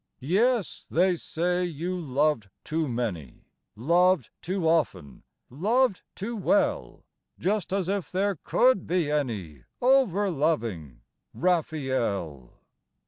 Yes, they say you loved too many, Loved too often, loved too well. Just as if there could be any Over loving, Raphael!